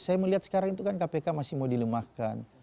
saya melihat sekarang itu kan kpk masih mau dilemahkan